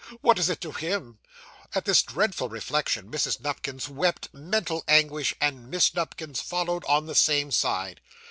What is it to him!' At this dreadful reflection, Mrs. Nupkins wept mental anguish, and Miss Nupkins followed on the same side.